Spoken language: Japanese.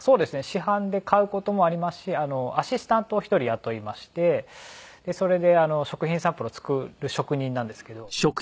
市販で買う事もありますしアシスタントを１人雇いましてそれで食品サンプルを作る職人なんですけど。